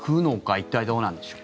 一体、どうなんでしょう。